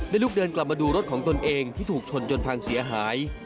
ลูกเดินกลับมาดูรถของตนเองที่ถูกชนจนพังเสียหาย